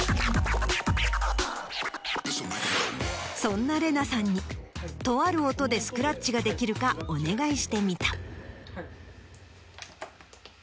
そんなＲＥＮＡさんにとある音でスクラッチができるかお願いしてみた。